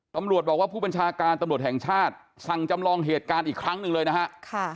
ตำรวจบอกว่าผู้บัญชาการตำรวจแห่งชาติสั่งจำลองเหตุการณ์อีกครั้งหนึ่งเลยนะฮะ